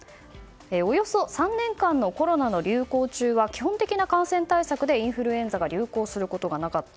およそ３年間のコロナの流行中は基本的な感染対策でインフルエンザが流行することがなかった。